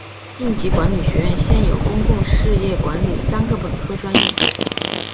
应急管理学院现有公共事业管理三个本科专业。